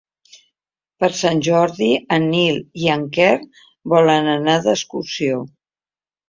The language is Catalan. Per Sant Jordi en Nil i en Quer volen anar d'excursió.